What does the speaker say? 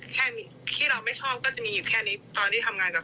ที่เราไม่ชอบก็จะมีอยู่แค่นี้ตอนที่ทำงานกับ